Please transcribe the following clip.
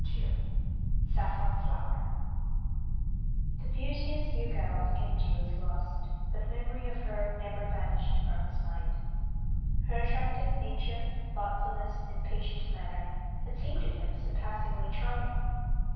] CHAPTER VI SAFFRON FLOWER The beauteous Yûgao of Genji was lost, but memory of her never vanished from his mind. Her attractive nature, thoughtfulness, and patient manner had seemed to him surpassingly charming.